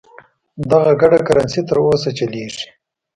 دغه ګډه کرنسي تر اوسه چلیږي.